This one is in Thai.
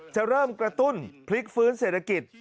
จะเริ่มกระตุ้นพลิกฟื้นเศรษฐกิจ